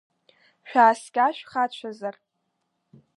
Шәааскьа шәхацәазар!